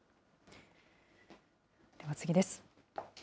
では次です。